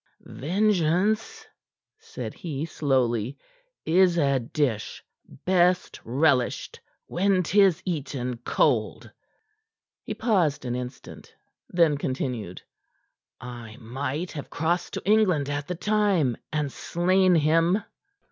"Vengeance," said he slowly, "is a dish best relished when 'tis eaten cold." He paused an instant; then continued: "I might have crossed to England at the time, and slain him.